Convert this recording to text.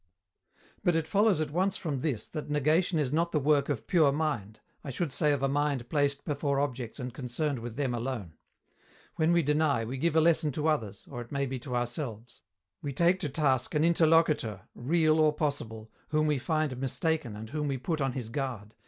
_ But it follows at once from this that negation is not the work of pure mind, I should say of a mind placed before objects and concerned with them alone. When we deny, we give a lesson to others, or it may be to ourselves. We take to task an interlocutor, real or possible, whom we find mistaken and whom we put on his guard.